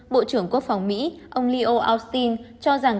bộ trưởng quốc phòng mỹ ông leeo austin cho rằng